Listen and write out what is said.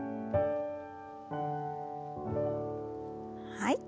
はい。